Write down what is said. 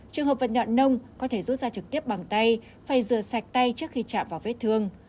trường hợp vật nhọn nông có thể rút ra trực tiếp bằng tay phải rửa sạch tay trước khi chạm vào vết thương